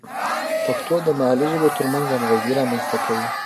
پښتو د محلي ژبو ترمنځ همغږي رامینځته کوي.